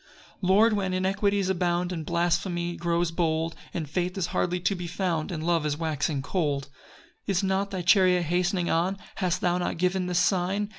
PAUSE. 5 Lord, when iniquities abound, And blasphemy grows bold, When faith is hardly to be found, And love is waxing cold, 6 Is not thy chariot hastening on? Hast thou not given this sign?